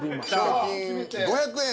賞金５００円